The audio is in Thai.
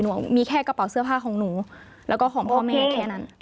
มีแค่กระเป๋าเสื้อผ้าของหนูแล้วก็ของพ่อแม่แค่นั้น